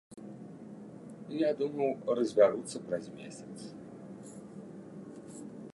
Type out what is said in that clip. Я думаў, разбяруцца праз месяц.